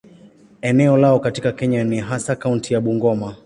Eneo lao katika Kenya ni hasa kaunti ya Bungoma.